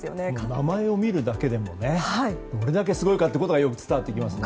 名前を見るだけでもどれだけすごいかがよく伝わってきますね。